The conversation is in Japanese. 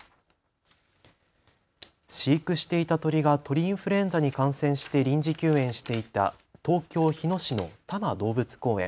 飼育していた鳥が鳥インフルエンザに感染して臨時休園していた東京日野市の多摩動物公園。